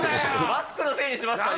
マスクのせいにしました？